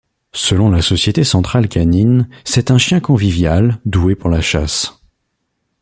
Selon la Société centrale canine, c'est un chien convivial, doué pour la chasse.